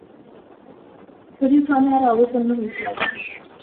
শরীর ক্রমে আরও অবসন্ন হইতে লাগিল।